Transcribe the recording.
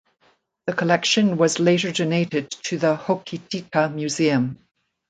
The collection was later donated to the Hokitika Museum.